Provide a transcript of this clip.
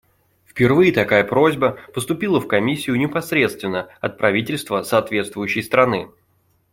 Впервые такая просьба поступила в Комиссию непосредственно от правительства соответствующей страны.